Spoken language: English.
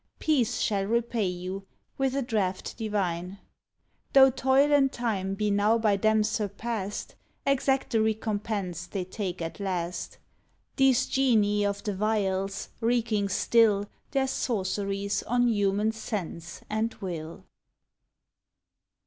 Peace shall repay you with a draft divine. Tho' toil and time be now by them surpast, Exact the recompense they take at last — These genii of the vials, wreaking still Their sorceries on human sense and will.